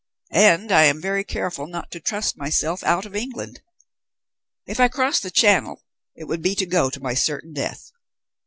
And I am very careful not to trust myself out of England. If I crossed the Channel it would be to go to my certain death.